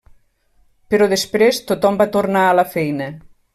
Però després, tothom va tornar a la feina.